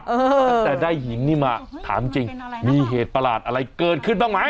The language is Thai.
ตั้งแต่ได้หินนี่มาถามจริงมีเหตุประหลาดอะไรเกิดขึ้นบ้างไหม